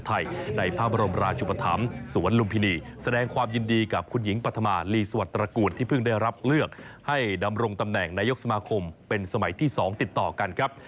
ที่เพิ่งได้รับเลือกให้ดำรงตำแหน่งนายกสมคมเป็นสมัยที่สองติดต่อกันครับ